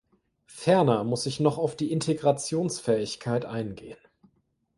Ferner muss ich noch auf die Integrationsfähigkeit eingehen.